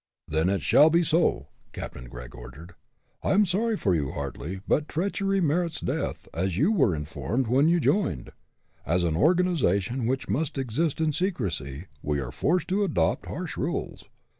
"Then it shall be so," Captain Gregg ordered. "I am sorry for you, Hartly, but treachery merits death, as you were informed when you joined. As an organization which must exist in secrecy, we are forced to adopt harsh rules.